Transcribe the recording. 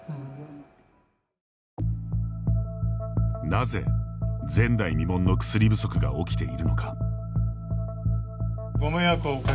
なぜ、前代未聞の薬不足が起きているのか。